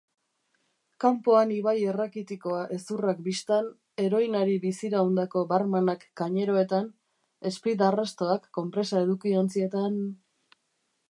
Kanpoan ibai errakitikoa hezurrak bistan, heroinari biziraundako barmanak kañeroetan, speed-arrastoak konpresa-edukiontzietan...